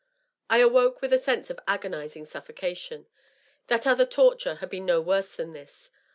.. I awoke with a sense of agonizing suffocation. That other toiiure had been no worse than this.